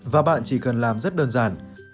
và bạn chỉ cần làm rất đơn giản